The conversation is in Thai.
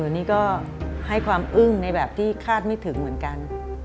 นี่ก็ให้ความอึ้งในแบบที่คาดไม่ถึงเหมือนกัน